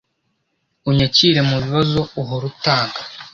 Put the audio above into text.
Unyakire mubibazo uhora utanga